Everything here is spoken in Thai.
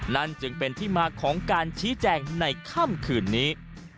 นั่นจึงเป็นที่มาของการชี้แจงในค่ำคืนนี้